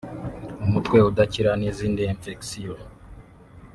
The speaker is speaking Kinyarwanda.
umutwe udakira n’izindi infection